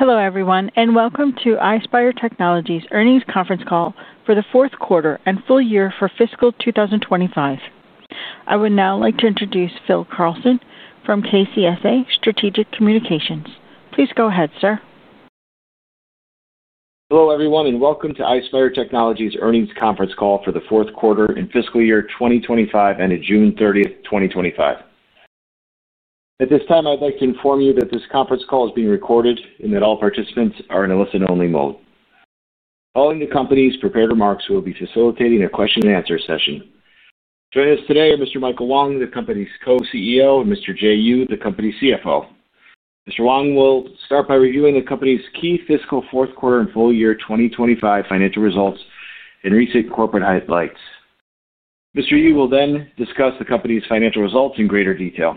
Hello, everyone, and welcome to Ispire Technology Inc.'s earnings conference call for the fourth quarter and full year for fiscal 2025. I would now like to introduce Phil Carlson from KCSA Strategic Communications. Please go ahead, sir. Hello, everyone, and welcome to Ispire Technology Inc.'s earnings conference call for the fourth quarter in fiscal year 2025 and June 30, 2025. At this time, I'd like to inform you that this conference call is being recorded and that all participants are in a listen-only mode. Following the company's prepared remarks, we'll be facilitating a question-and-answer session. Joining us today are Mr. Michael Wang, the company's Co-Chief Executive Officer, and Mr. Jay Yu, the company's Chief Financial Officer. Mr. Wang will start by reviewing the company's key fiscal fourth quarter and full year 2025 financial results and recent corporate highlights. Mr. Yu will then discuss the company's financial results in greater detail.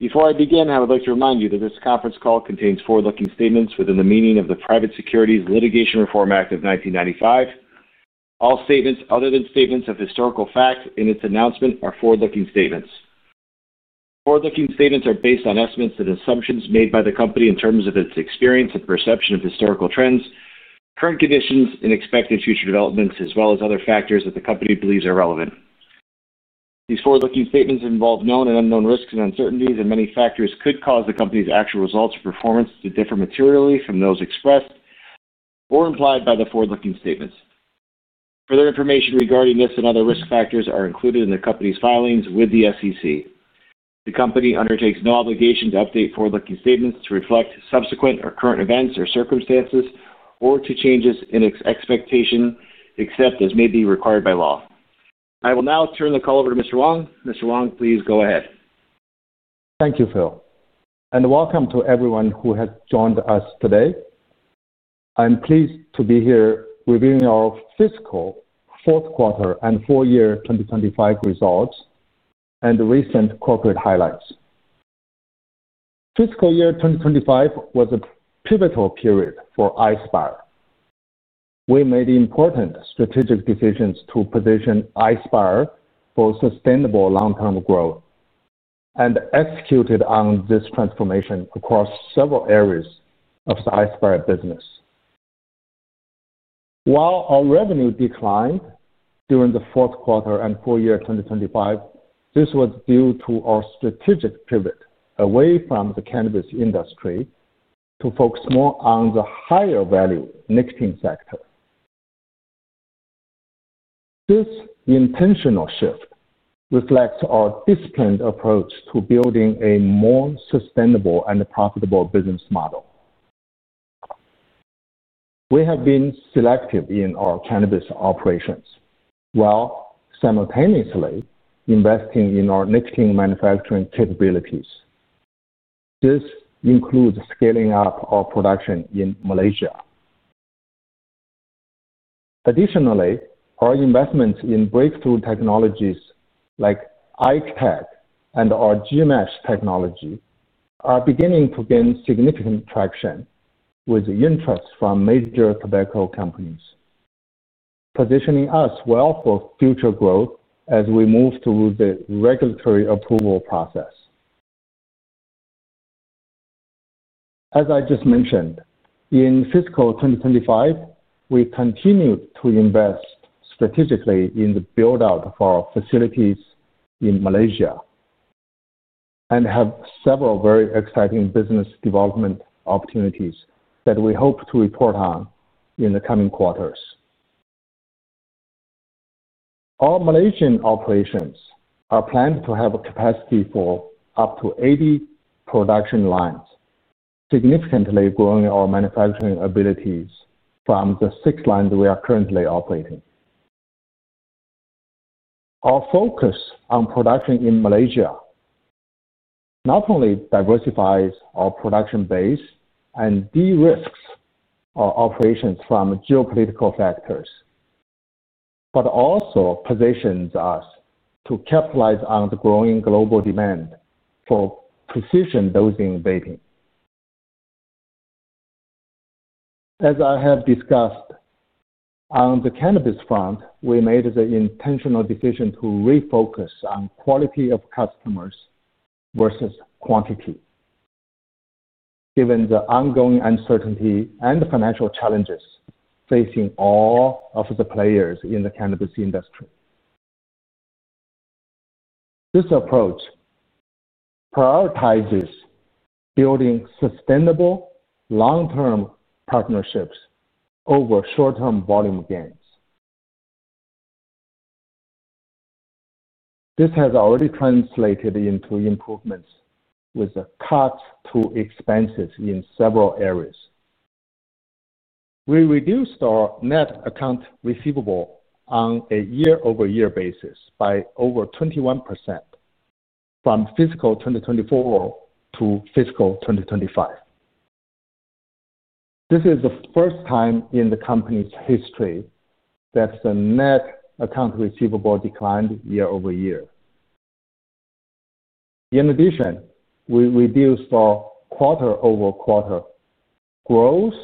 Before I begin, I would like to remind you that this conference call contains forward-looking statements within the meaning of the Private Securities Litigation Reform Act of 1995. All statements other than statements of historical facts in this announcement are forward-looking statements. Forward-looking statements are based on estimates and assumptions made by the company in terms of its experience and perception of historical trends, current conditions, and expected future developments, as well as other factors that the company believes are relevant. These forward-looking statements involve known and unknown risks and uncertainties, and many factors could cause the company's actual results or performance to differ materially from those expressed or implied by the forward-looking statements. Further information regarding this and other risk factors are included in the company's filings with the SEC. The company undertakes no obligation to update forward-looking statements to reflect subsequent or current events or circumstances or to changes in its expectation except as may be required by law. I will now turn the call over to Mr. Wang. Mr. Wang, please go ahead. Thank you, Phil, and welcome to everyone who has joined us today. I'm pleased to be here reviewing our fiscal fourth quarter and full year 2025 results and the recent corporate highlights. Fiscal year 2025 was a pivotal period for Ispire Technology Inc. We made important strategic decisions to position Ispire for sustainable long-term growth and executed on this transformation across several areas of the Ispire business. While our revenue declined during the fourth quarter and full year 2025, this was due to our strategic pivot away from the cannabis sector to focus more on the higher-value nicotine sector. This intentional shift reflects our disciplined approach to building a more sustainable and profitable business model. We have been selective in our cannabis operations while simultaneously investing in our nicotine manufacturing capabilities. This includes scaling up our production in Malaysia. Additionally, our investments in breakthrough technologies like ICE-TECH and our GMASH technology are beginning to gain significant traction with interest from major tobacco companies, positioning us well for future growth as we move through the regulatory approval process. As I just mentioned, in fiscal 2025, we continued to invest strategically in the build-out of our facilities in Malaysia and have several very exciting business development opportunities that we hope to report on in the coming quarters. Our Malaysian operations are planned to have a capacity for up to 80 production lines, significantly growing our manufacturing abilities from the six lines we are currently operating. Our focus on production in Malaysia not only diversifies our production base and de-risks our operations from geopolitical factors, but also positions us to capitalize on the growing global demand for precision dosing vaping. As I have discussed, on the cannabis front, we made the intentional decision to refocus on quality of customers versus quantity, given the ongoing uncertainty and financial challenges facing all of the players in the cannabis industry. This approach prioritizes building sustainable long-term partnerships over short-term volume gains. This has already translated into improvements with cuts to expenses in several areas. We reduced our net accounts receivable on a year-over-year basis by over 21% from fiscal 2024 to fiscal 2025. This is the first time in the company's history that the net accounts receivable declined year over year. In addition, we reduced our quarter-over-quarter gross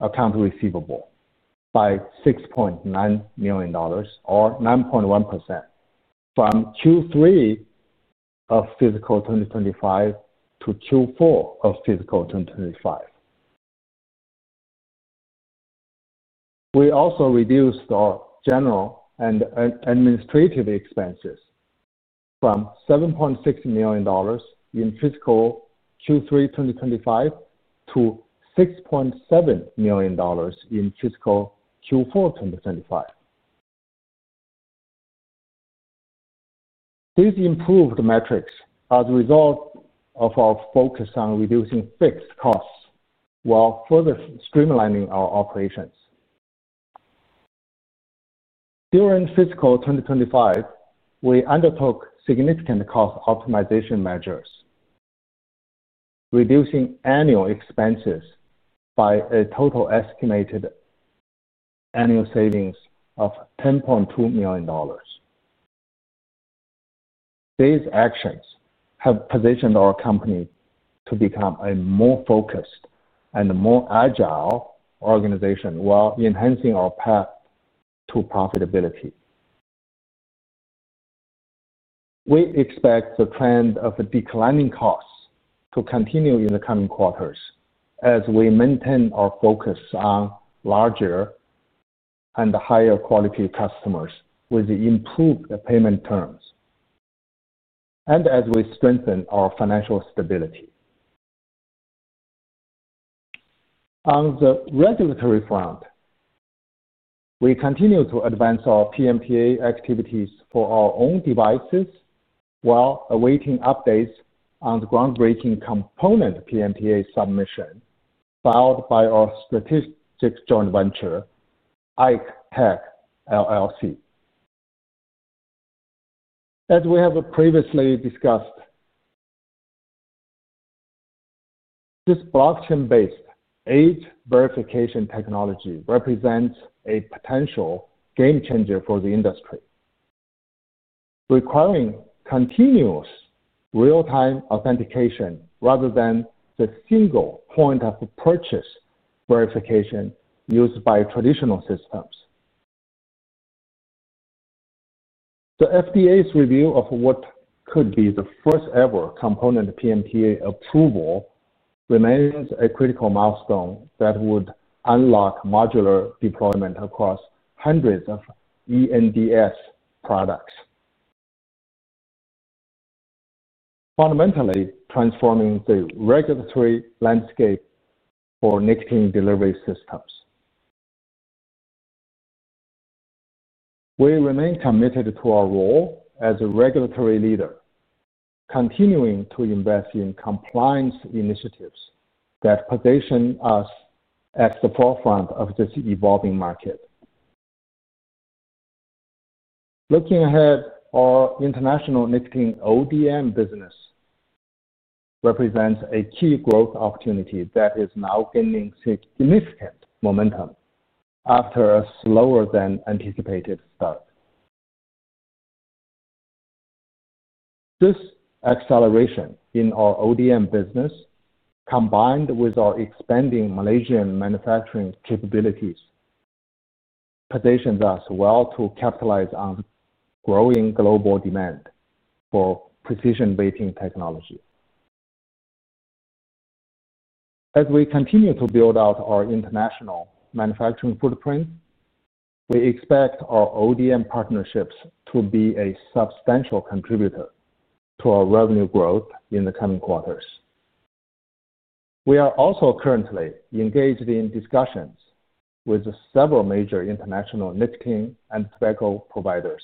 accounts receivable by $6.9 million or 9.1% from Q3 of fiscal 2025 to Q4 of fiscal 2025. We also reduced our general and administrative expenses from $7.6 million in fiscal Q3 2025 to $6.7 million in fiscal Q4 2025. These improved metrics are the result of our focus on reducing fixed costs while further streamlining our operations. During fiscal 2025, we undertook significant cost optimization measures, reducing annual expenses by a total estimated annual savings of $10.2 million. These actions have positioned our company to become a more focused and more agile organization while enhancing our path to profitability. We expect the trend of declining costs to continue in the coming quarters as we maintain our focus on larger and higher-quality customers with improved payment terms and as we strengthen our financial stability. On the regulatory front, we continue to advance our PMPA activities for our own devices while awaiting updates on the groundbreaking component PMPA submission filed by our strategic joint venture, ICE-TECH LLC. As we have previously discussed, this blockchain-based age verification technology represents a potential game changer for the industry, requiring continuous real-time authentication rather than the single point of purchase verification used by traditional systems. The FDA's review of what could be the first-ever component PMPA approval remains a critical milestone that would unlock modular deployment across hundreds of ENDS products, fundamentally transforming the regulatory landscape for nicotine delivery systems. We remain committed to our role as a regulatory leader, continuing to invest in compliance initiatives that position us at the forefront of this evolving market. Looking ahead, our international nicotine ODM business represents a key growth opportunity that is now gaining significant momentum after a slower than anticipated start. This acceleration in our ODM business, combined with our expanding Malaysian manufacturing capabilities, positions us well to capitalize on growing global demand for precision vaping technology. As we continue to build out our international manufacturing footprint, we expect our ODM partnerships to be a substantial contributor to our revenue growth in the coming quarters. We are also currently engaged in discussions with several major international nicotine and tobacco providers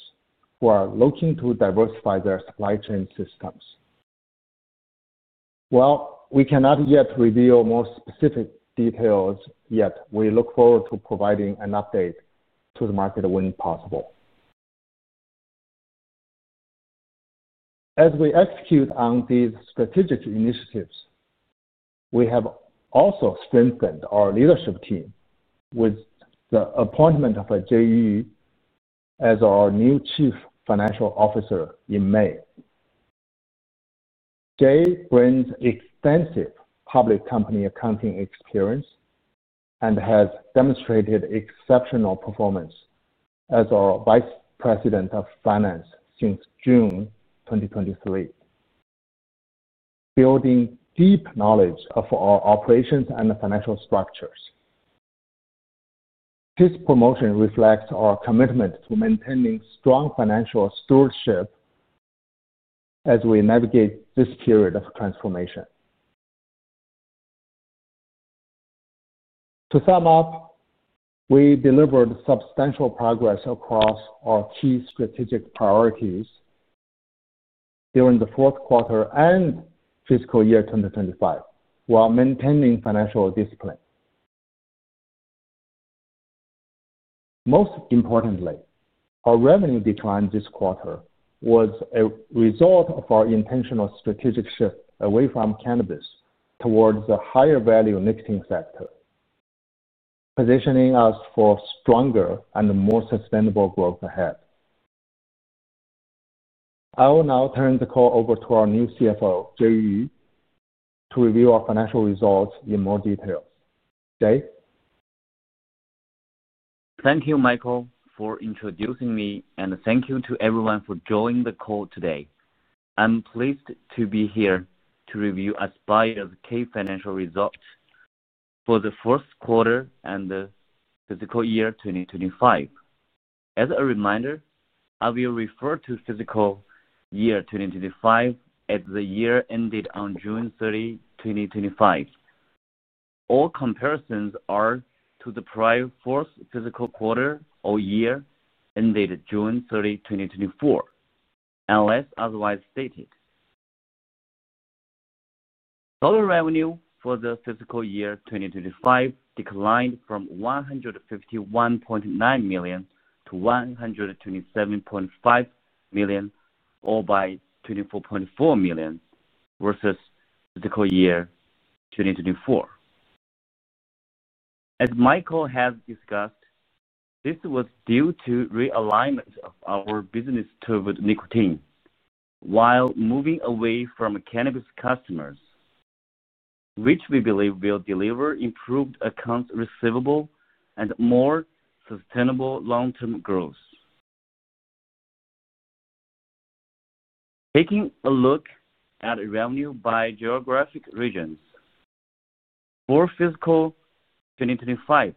who are looking to diversify their supply chain systems. While we cannot yet reveal more specific details, we look forward to providing an update to the market when possible. As we execute on these strategic initiatives, we have also strengthened our leadership team with the appointment of Jay Yu as our new Chief Financial Officer in May. Jay brings extensive public company accounting experience and has demonstrated exceptional performance as our Vice President of Finance since June 2023, building deep knowledge of our operations and financial structures. His promotion reflects our commitment to maintaining strong financial stewardship as we navigate this period of transformation. To sum up, we delivered substantial progress across our key strategic priorities during the fourth quarter and fiscal year 2025 while maintaining financial discipline. Most importantly, our revenue decline this quarter was a result of our intentional strategic shift away from cannabis towards the higher-value nicotine sector, positioning us for stronger and more sustainable growth ahead. I will now turn the call over to our new CFO, Jay Yu, to review our financial results in more detail. Jay. Thank you, Michael, for introducing me, and thank you to everyone for joining the call today. I'm pleased to be here to review Ispire's key financial results for the first quarter and the fiscal year 2025. As a reminder, I will refer to fiscal year 2025 as the year ended on June 30, 2025. All comparisons are to the prior fourth fiscal quarter or year ended June 30, 2024, unless otherwise stated. Total revenue for the fiscal year 2025 declined from $151.9 million to $127.5 million, or by $24.4 million versus fiscal year 2024. As Michael has discussed, this was due to realignment of our business toward nicotine while moving away from cannabis customers, which we believe will deliver improved accounts receivable and more sustainable long-term growth. Taking a look at revenue by geographic regions, for fiscal 2025,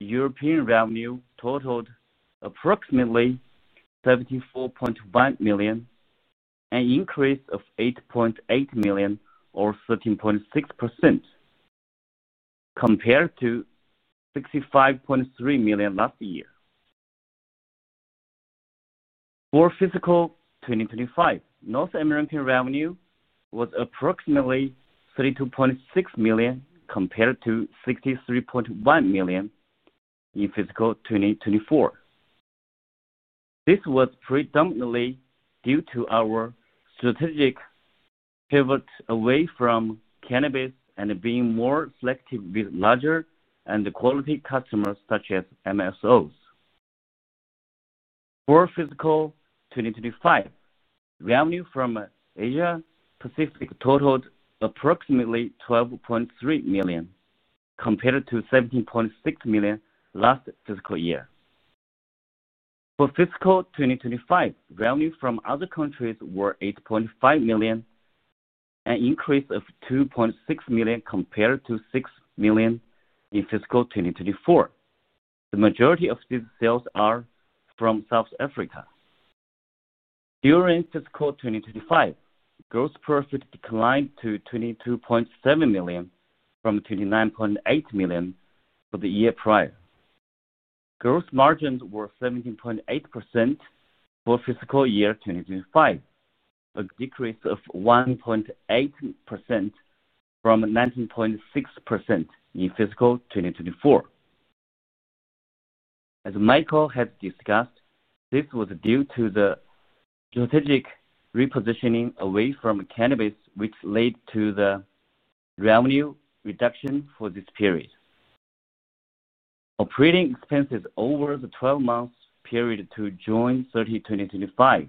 European revenue totaled approximately $74.1 million, an increase of $8.8 million or 13.6% compared to $65.3 million last year. For fiscal 2025, North American revenue was approximately $32.6 million compared to $63.1 million in fiscal 2024. This was predominantly due to our strategic pivot away from cannabis and being more selective with larger and quality customers such as MSOs. For fiscal 2025, revenue from Asia Pacific totaled approximately $12.3 million compared to $17.6 million last fiscal year. For fiscal 2025, revenue from other countries was $8.5 million, an increase of $2.6 million compared to $6 million in fiscal 2024. The majority of these sales are from South Africa. During fiscal 2025, gross profit declined to $22.7 million from $29.8 million for the year prior. Gross margins were 17.8% for fiscal year 2025, a decrease of 1.8% from 19.6% in fiscal 2024. As Michael has discussed, this was due to the strategic repositioning away from cannabis, which led to the revenue reduction for this period. Operating expenses over the 12-month period to June 30, 2025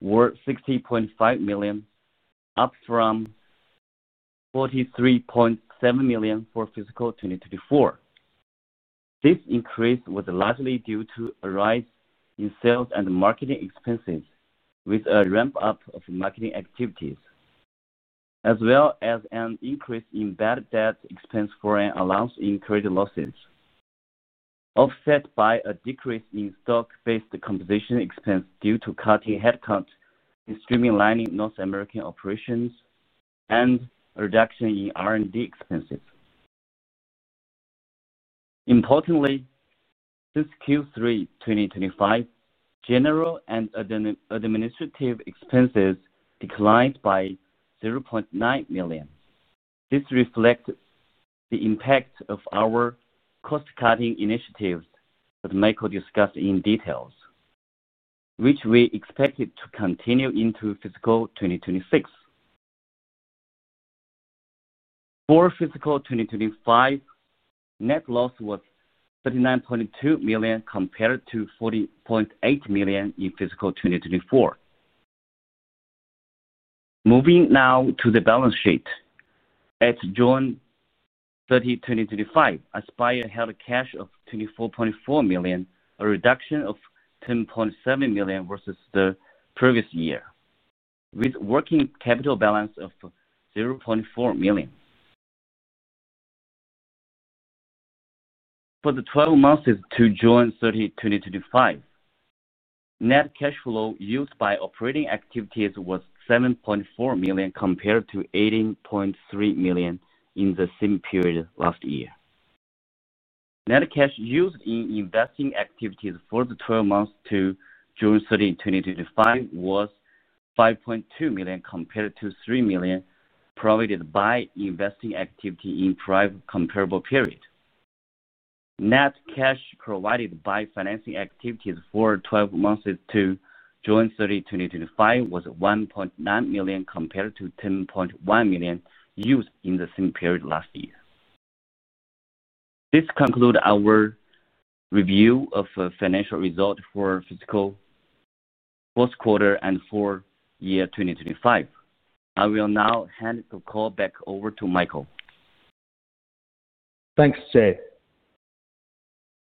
were $60.5 million, up from $43.7 million for fiscal 2024. This increase was largely due to a rise in sales and marketing expenses with a ramp-up of marketing activities, as well as an increase in bad debt expense, foreign allowance incurred losses, offset by a decrease in stock-based compensation expense due to cutting headcount in streamlining North American operations and a reduction in R&D expenses. Importantly, since Q3 2025, general and administrative expenses declined by $0.9 million. This reflects the impact of our cost-cutting initiatives that Michael discussed in detail, which we expect to continue into fiscal 2026. For fiscal 2025, net loss was $39.2 million compared to $40.8 million in fiscal 2024. Moving now to the balance sheet, at June 30, 2025, Ispire held cash of $24.4 million, a reduction of $10.7 million versus the previous year, with a working capital balance of $0.4 million. For the 12 months to June 30, 2025, net cash flow used by operating activities was $7.4 million compared to $18.3 million in the same period last year. Net cash used in investing activities for the 12 months to June 30, 2025 was $5.2 million compared to $3 million provided by investing activity in the prior comparable period. Net cash provided by financing activities for 12 months to June 30, 2025 was $1.9 million compared to $10.1 million used in the same period last year. This concludes our review of financial results for fiscal fourth quarter and for year 2025. I will now hand the call back over to Michael. Thanks, Jay.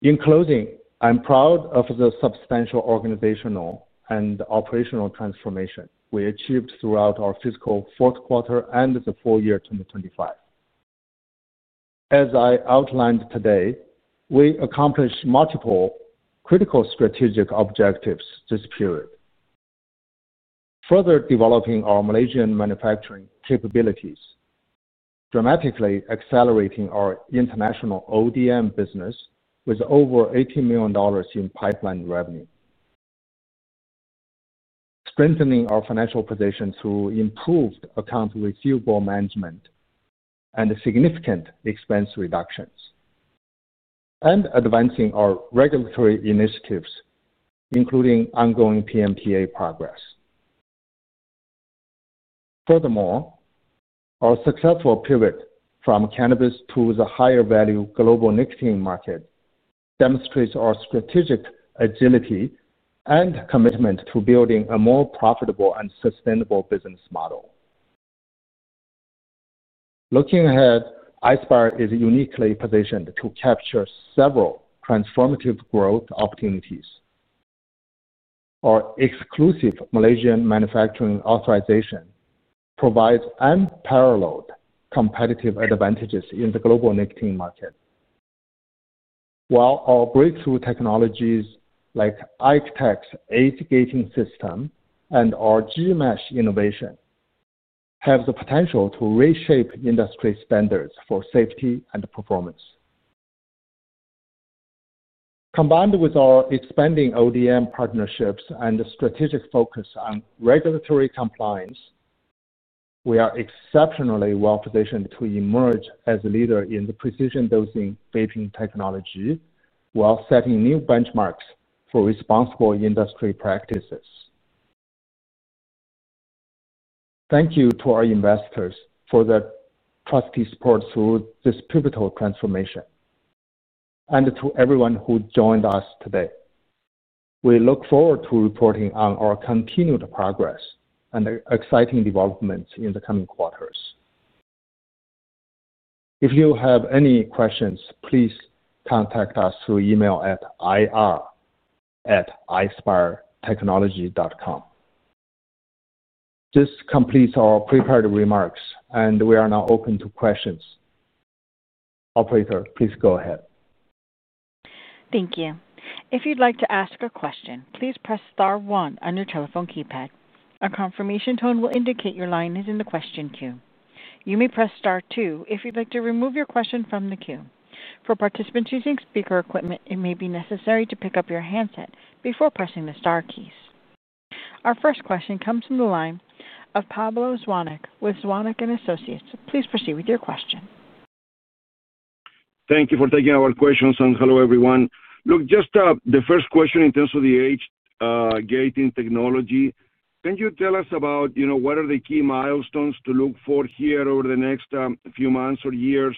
In closing, I'm proud of the substantial organizational and operational transformation we achieved throughout our fiscal fourth quarter and the full year 2025. As I outlined today, we accomplished multiple critical strategic objectives this period: further developing our Malaysian manufacturing capabilities, dramatically accelerating our international ODM business with over $80 million in pipeline revenue, strengthening our financial position through improved accounts receivable management and significant expense reductions, and advancing our regulatory initiatives, including ongoing PMPA progress. Furthermore, our successful pivot from cannabis to the higher-value global nicotine market demonstrates our strategic agility and commitment to building a more profitable and sustainable business model. Looking ahead, Ispire is uniquely positioned to capture several transformative growth opportunities. Our exclusive Malaysian manufacturing authorization provides unparalleled competitive advantages in the global nicotine market, while our breakthrough technologies like ICE-TECH's age gating system and our GMASH innovation have the potential to reshape industry standards for safety and performance. Combined with our expanding ODM partnerships and strategic focus on regulatory compliance, we are exceptionally well positioned to emerge as a leader in the precision dosing vaping technology while setting new benchmarks for responsible industry practices. Thank you to our investors for the trust they support through this pivotal transformation and to everyone who joined us today. We look forward to reporting on our continued progress and exciting developments in the coming quarters. If you have any questions, please contact us through email at ir@ispiretechnology.com. This completes our prepared remarks, and we are now open to questions. Operator, please go ahead. Thank you. If you'd like to ask a question, please press star one on your telephone keypad. A confirmation tone will indicate your line is in the question queue. You may press star two if you'd like to remove your question from the queue. For participants using speaker equipment, it may be necessary to pick up your handset before pressing the star keys. Our first question comes from the line of Pablo Zuanic with Zuanic & Associates LLC. Please proceed with your question. Thank you for taking our questions and hello everyone. Just the first question in terms of the age gating technology, can you tell us about what are the key milestones to look for here over the next few months or years?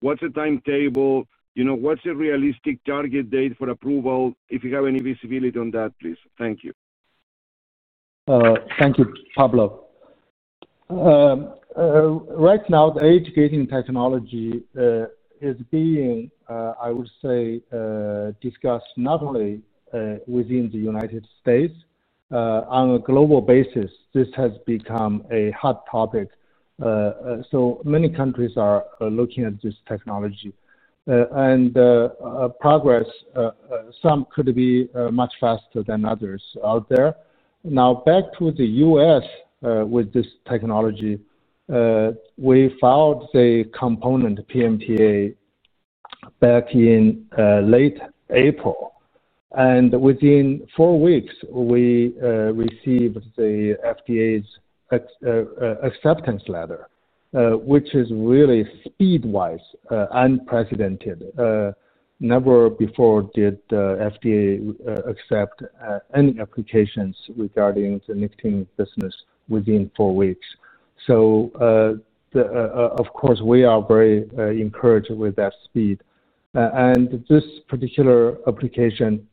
What's the timetable? What's a realistic target date for approval? If you have any visibility on that, please. Thank you. Thank you, Pablo. Right now, the age gating technology is being, I would say, discussed not only within the U.S., on a global basis. This has become a hot topic. So many countries are looking at this technology. Progress, some could be much faster than others out there. Now, back to the U.S. with this technology, we filed the component PMPA back in late April. Within four weeks, we received the FDA's acceptance letter, which is really speed-wise unprecedented. Never before did the FDA accept any applications regarding the nicotine business within four weeks. Of course, we are very encouraged with that speed. This particular application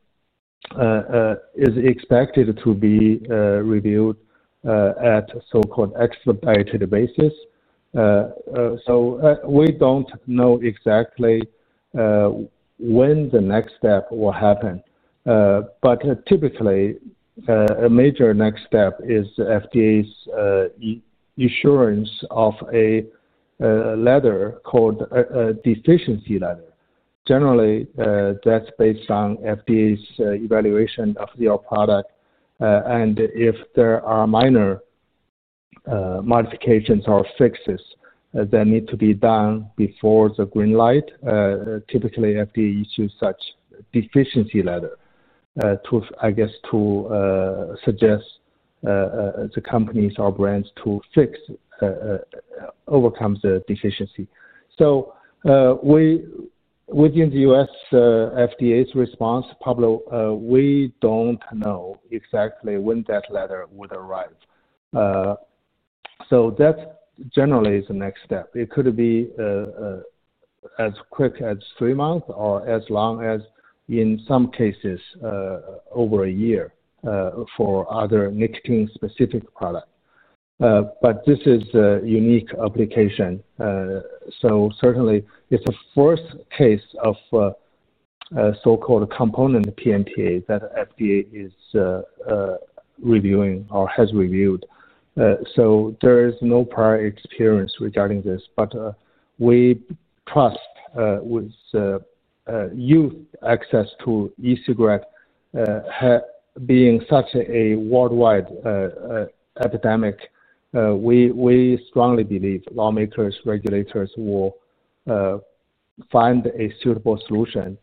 is expected to be reviewed at a so-called expedited basis. We don't know exactly when the next step will happen. Typically, a major next step is the FDA's issuance of a letter called a deficiency letter. Generally, that's based on FDA's evaluation of your product. If there are minor modifications or fixes that need to be done before the green light, typically FDA issues such a deficiency letter, I guess, to suggest the companies or brands to fix, overcome the deficiency. Within the U.S., the FDA's response, Pablo, we don't know exactly when that letter would arrive. That generally is the next step. It could be as quick as three months or as long as, in some cases, over a year for other nicotine-specific products. This is a unique application. Certainly, it's the first case of so-called component PMPA that FDA is reviewing or has reviewed. There is no prior experience regarding this, but we trust with youth access to e-cigarettes being such a worldwide epidemic, we strongly believe lawmakers, regulators, will find a suitable solution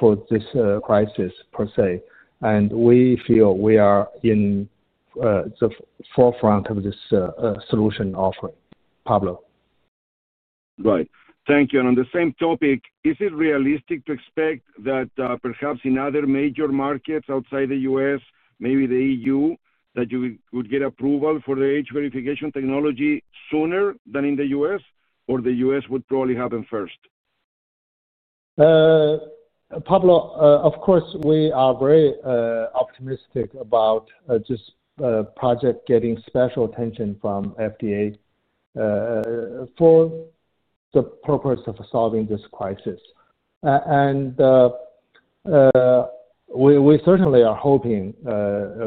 for this crisis per se. We feel we are in the forefront of this solution offering, Pablo. Thank you. On the same topic, is it realistic to expect that perhaps in other major markets outside the U.S., maybe the EU, that you would get approval for the age verification technology sooner than in the U.S., or the U.S. would probably happen first? Pablo, of course, we are very optimistic about this project getting special attention from the FDA for the purpose of solving this crisis. We certainly are hoping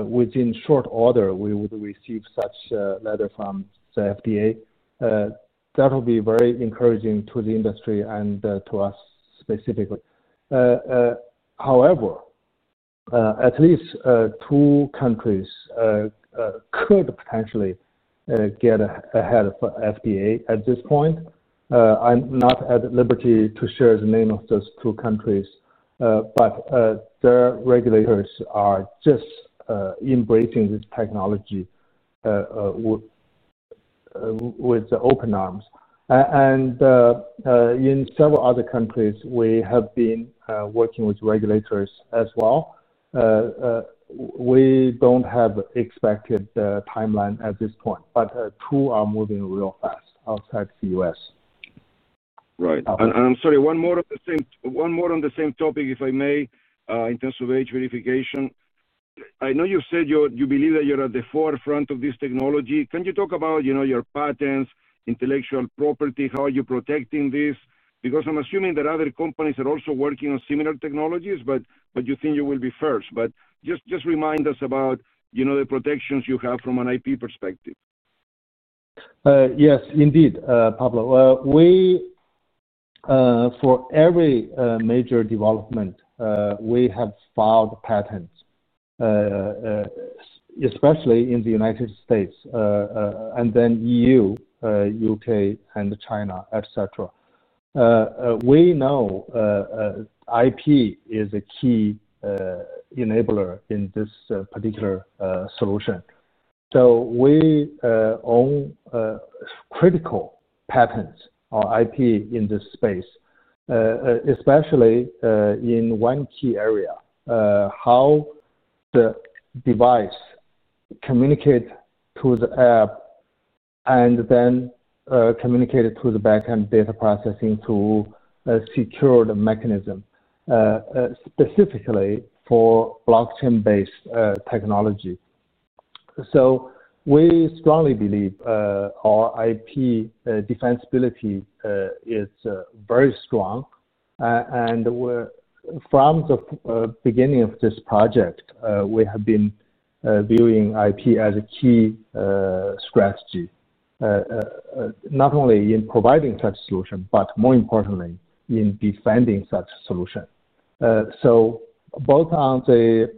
within short order we would receive such a letter from the FDA. That will be very encouraging to the industry and to us specifically. However, at least two countries could potentially get ahead of the FDA at this point. I'm not at liberty to share the name of those two countries, but their regulators are just embracing this technology with open arms. In several other countries, we have been working with regulators as well. We don't have an expected timeline at this point, but two are moving real fast outside the U.S. Right. I'm sorry, one more on the same topic, if I may, in terms of age verification. I know you said you believe that you're at the forefront of this technology. Can you talk about your patents, intellectual property, how are you protecting this? I'm assuming that other companies are also working on similar technologies, you think you will be first. Just remind us about the protections you have from an IP perspective. Yes, indeed, Pablo. For every major development, we have filed patents, especially in the United States, and then EU, UK, and China, etc. We know IP is a key enabler in this particular solution. We own critical patents or IP in this space, especially in one key area, how the device communicates to the app and then communicates to the backend data processing to secure the mechanism, specifically for blockchain-based technology. We strongly believe our IP defensibility is very strong. From the beginning of this project, we have been viewing IP as a key strategy, not only in providing such a solution, but more importantly, in defending such a solution. Both on the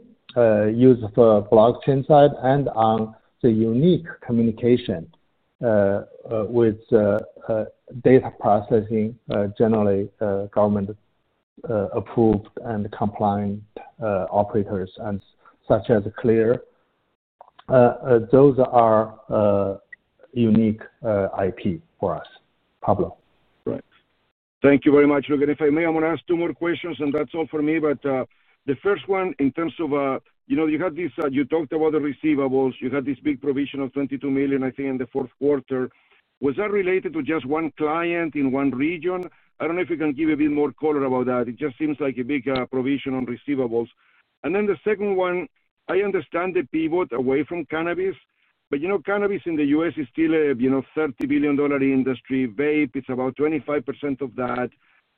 use of the blockchain side and on the unique communication with data processing, generally government-approved and complying operators, such as Clear, those are unique IP for us, Pablo. Right. Thank you very much. Look, if I may, I'm going to ask two more questions, and that's all for me. The first one, in terms of, you know, you had this, you talked about the receivables. You had this big provision of $22 million, I think, in the fourth quarter. Was that related to just one client in one region? I don't know if you can give a bit more color about that. It just seems like a big provision on receivables. The second one, I understand the pivot away from cannabis, but you know, cannabis in the U.S. is still a $30 billion industry. Vape, it's about 25% of that.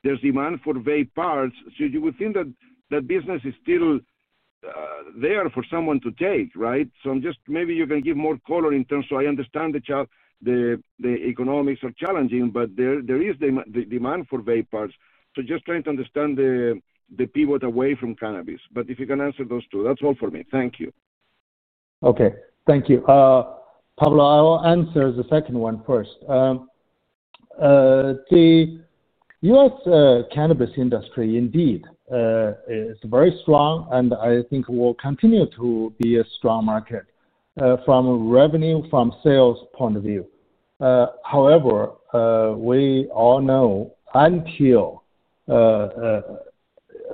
There's demand for vape parts. You would think that that business is still there for someone to take, right? Maybe you can give more color in terms of, I understand the economics are challenging, but there is the demand for vape parts. Just trying to understand the pivot away from cannabis. If you can answer those two, that's all for me. Thank you. Okay. Thank you. Pablo, I will answer the second one first. The U.S. cannabis industry, indeed, is very strong, and I think it will continue to be a strong market from a revenue from sales point of view. However, we all know until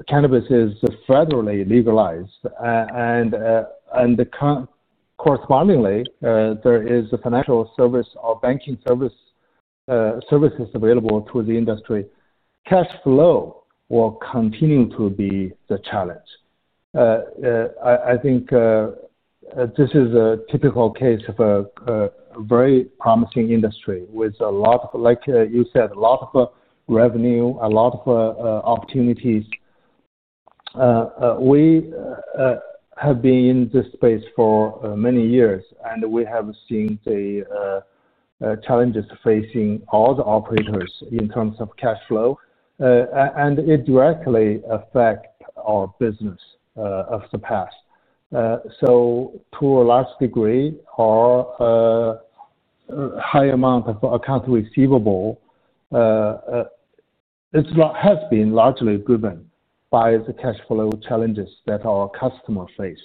cannabis is federally legalized, and correspondingly, there is a financial service or banking services available to the industry, cash flow will continue to be the challenge. I think this is a typical case of a very promising industry with a lot of, like you said, a lot of revenue, a lot of opportunities. We have been in this space for many years, and we have seen the challenges facing all the operators in terms of cash flow, and it directly affects our business of the past. To a large degree, our high amount of accounts receivable has been largely driven by the cash flow challenges that our customers faced.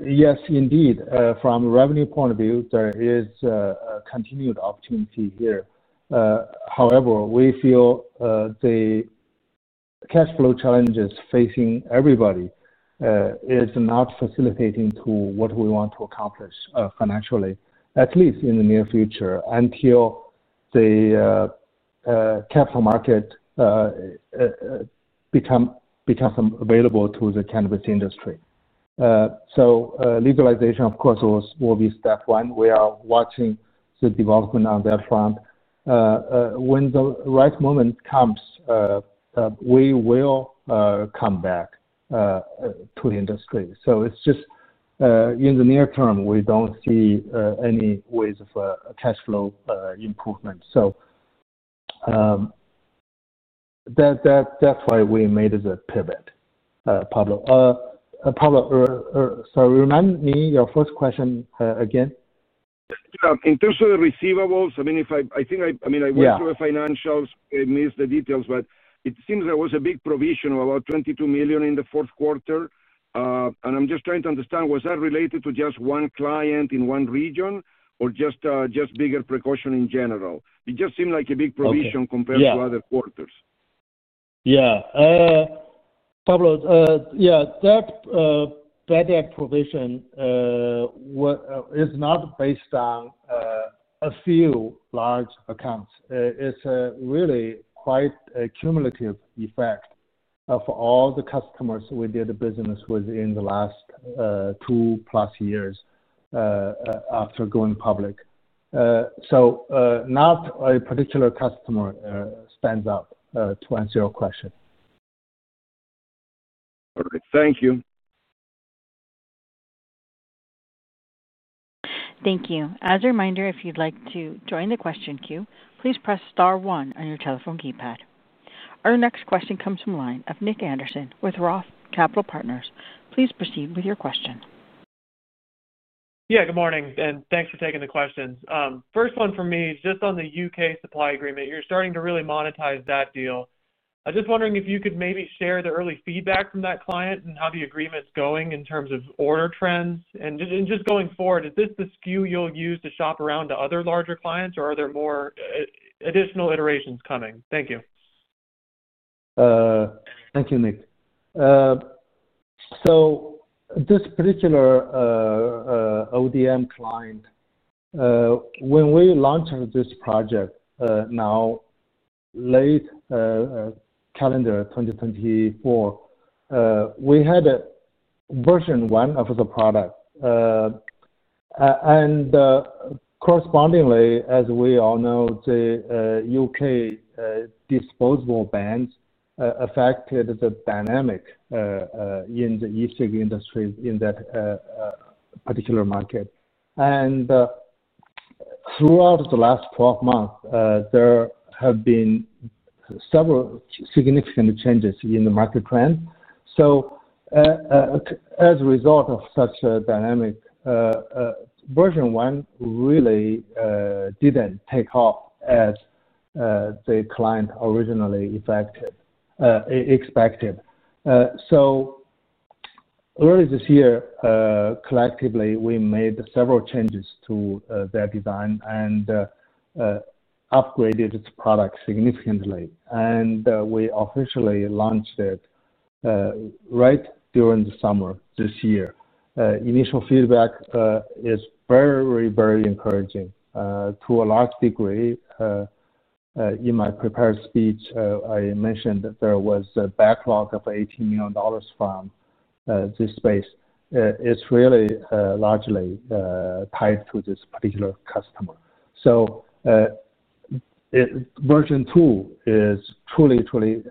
Yes, indeed, from a revenue point of view, there is a continued opportunity here. However, we feel the cash flow challenges facing everybody are not facilitating what we want to accomplish financially, at least in the near future until the capital market becomes available to the cannabis industry. Legalization, of course, will be step one. We are watching the development on that front. When the right moment comes, we will come back to the industry. In the near term, we don't see any ways for cash flow improvement. That's why we made the pivot, Pablo. Pablo, sorry, remind me your first question again. In terms of the receivables, I went through the financials. I missed the details, but it seems there was a big provision of about $22 million in the fourth quarter. I'm just trying to understand, was that related to just one client in one region or just bigger precaution in general? It just seemed like a big provision compared to other quarters. Yeah. Pablo, that bad provision is not based on a few large accounts. It's really quite a cumulative effect for all the customers we did business with in the last two-plus years after going public. Not a particular customer stands out to answer your question. All right. Thank you. Thank you. As a reminder, if you'd like to join the question queue, please press star one on your telephone keypad. Our next question comes from a line of Nick Anderson with ROTH Capital Partners. Please proceed with your question. Good morning, and thanks for taking the questions. First one for me is just on the UK supply agreement. You're starting to really monetize that deal. I'm just wondering if you could maybe share the early feedback from that client and how the agreement's going in terms of order trends. Just going forward, is this the SKU you'll use to shop around to other larger clients, or are there more additional iterations coming? Thank you. Thank you, Nick. This particular ODM client, when we launched this project late calendar 2024, we had a version one of the product. Correspondingly, as we all know, the UK disposable ban affected the dynamic in the e-cig industry in that particular market. Throughout the last 12 months, there have been several significant changes in the market trend. As a result of such a dynamic, version one really didn't take off as the client originally expected. Early this year, collectively, we made several changes to their design and upgraded its product significantly. We officially launched it right during the summer this year. Initial feedback is very, very encouraging. To a large degree, in my prepared speech, I mentioned that there was a backlog of $18 million from this space. It's really largely tied to this particular customer. Version two is truly, truly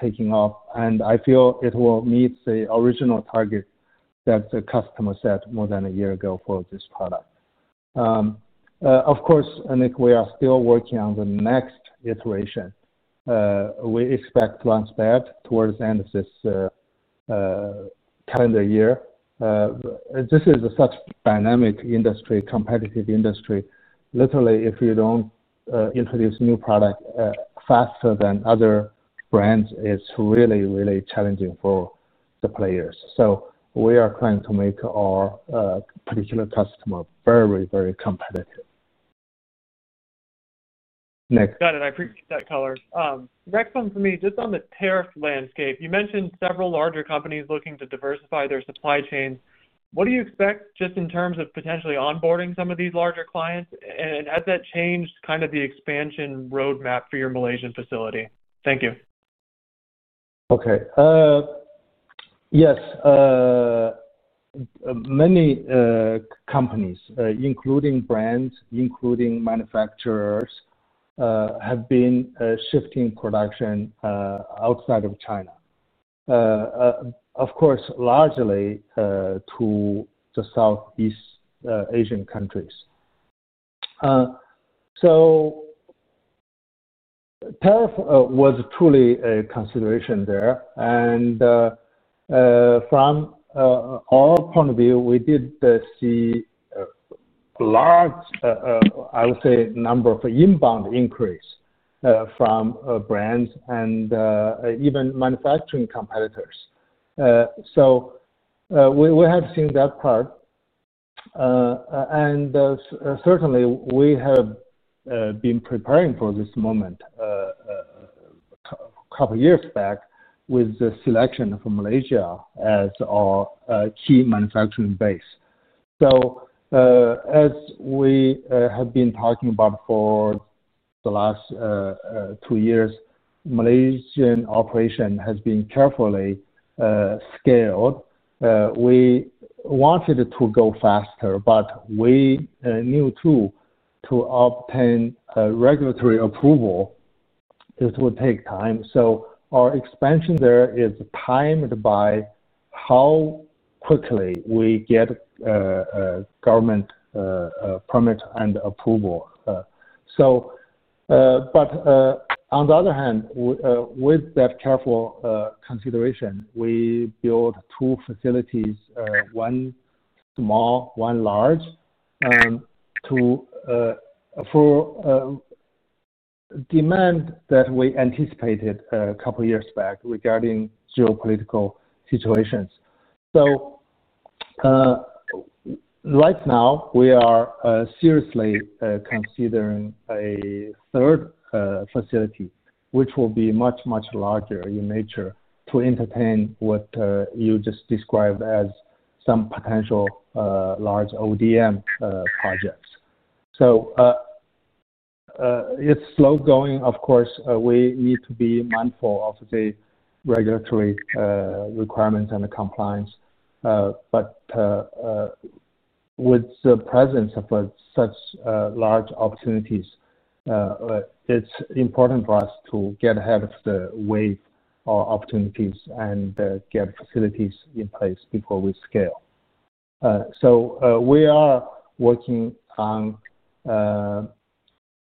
taking off, and I feel it will meet the original target that the customer set more than a year ago for this product. Of course, Nick, we are still working on the next iteration. We expect to launch that towards the end of this calendar year. This is such a dynamic industry, competitive industry. Literally, if you don't introduce a new product faster than other brands, it's really, really challenging for the players. We are trying to make our particular customer very, very competitive. Nick. Got it. I appreciate that color. Next one for me, just on the tariff landscape. You mentioned several larger companies looking to diversify their supply chains. What do you expect just in terms of potentially onboarding some of these larger clients? Has that changed kind of the expansion roadmap for your Malaysian facility? Thank you. Okay. Yes. Many companies, including brands, including manufacturers, have been shifting production outside of China, of course, largely to the Southeast Asian countries. Tariff was truly a consideration there. From our point of view, we did see a large, I would say, number of inbound increase from brands and even manufacturing competitors. We have seen that part. Certainly, we have been preparing for this moment a couple of years back with the selection for Malaysia as our key manufacturing base. As we have been talking about for the last two years, Malaysian operation has been carefully scaled. We wanted to go faster, but we knew too to obtain regulatory approval, it would take time. Our expansion there is timed by how quickly we get government permit and approval. On the other hand, with that careful consideration, we built two facilities, one small, one large, for demand that we anticipated a couple of years back regarding geopolitical situations. Right now, we are seriously considering a third facility, which will be much, much larger in nature to entertain what you just described as some potential large ODM projects. It's slow going, of course. We need to be mindful of the regulatory requirements and compliance. With the presence of such large opportunities, it's important for us to get ahead of the wave of opportunities and get facilities in place before we scale. We are working on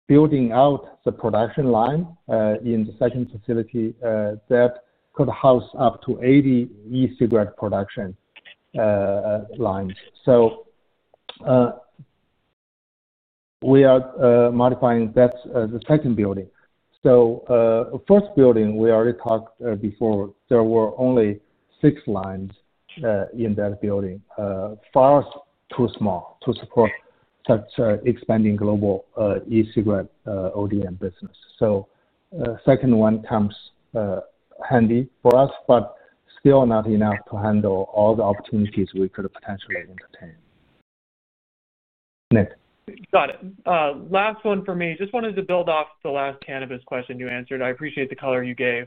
building out the production line in the second facility that could house up to 80 e-cigarette production lines. We are modifying that, the second building. The first building, we already talked before, there were only six lines in that building, far too small to support such an expanding global e-cigarette ODM business. The second one comes handy for us, but still not enough to handle all the opportunities we could potentially entertain. Nick. Got it. Last one for me. Just wanted to build off the last cannabis question you answered. I appreciate the color you gave.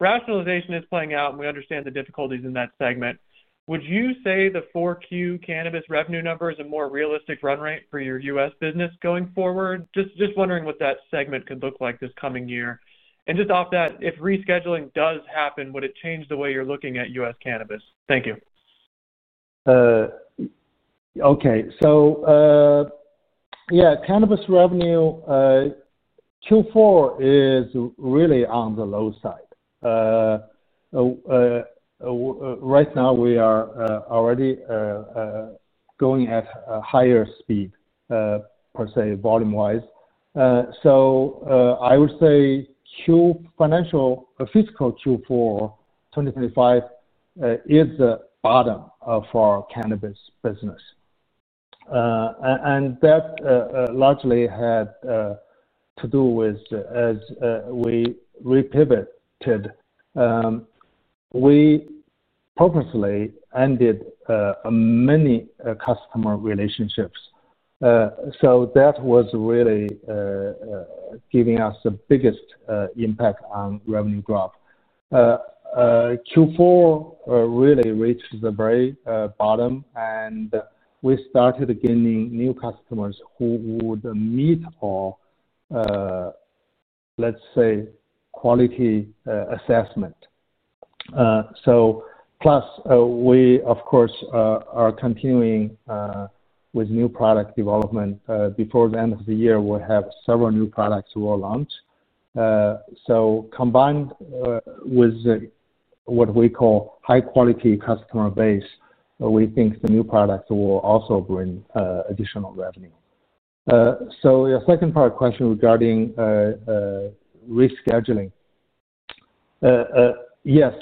Rationalization is playing out, and we understand the difficulties in that segment. Would you say the 4Q cannabis revenue numbers are a more realistic run rate for your U.S. business going forward? Just wondering what that segment could look like this coming year. If rescheduling does happen, would it change the way you're looking at U.S. cannabis? Thank you. Okay. So yeah, cannabis revenue Q4 is really on the low side. Right now, we are already going at a higher speed, per se, volume-wise. I would say Q financial, fiscal Q4 2025 is the bottom of our cannabis business. That largely had to do with as we re-pivoted. We purposely ended many customer relationships. That was really giving us the biggest impact on revenue growth. Q4 really reached the very bottom, and we started gaining new customers who would meet our, let's say, quality assessment. Plus, we, of course, are continuing with new product development. Before the end of the year, we'll have several new products we'll launch. Combined with what we call high-quality customer base, we think the new products will also bring additional revenue. Your second part of the question regarding rescheduling. Yes.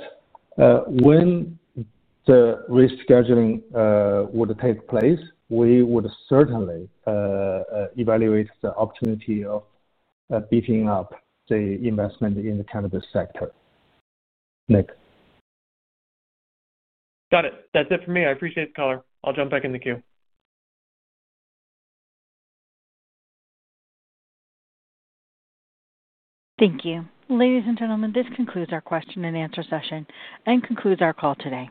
When the rescheduling would take place, we would certainly evaluate the opportunity of beefing up the investment in the cannabis sector. Nick. Got it. That's it for me. I appreciate the color. I'll jump back in the queue. Thank you. Ladies and gentlemen, this concludes our question and answer session and concludes our call today.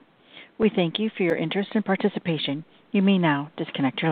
We thank you for your interest and participation. You may now disconnect your line.